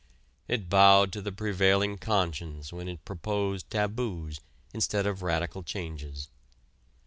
It bowed to the prevailing conscience when it proposed taboos instead of radical changes.